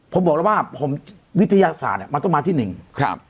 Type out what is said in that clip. ผมบอกแล้วว่าผมวิทยาศาสตร์เนี้ยมันต้องมาที่หนึ่งครับ